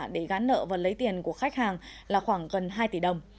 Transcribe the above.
để gán nợ và lấy tiền của khách hàng là khoảng gần hai tỷ đồng